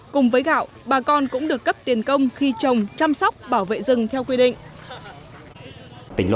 cùng với gạo bà con cũng được cấp tiền công khi trồng chăm sóc bảo vệ rừng theo quy định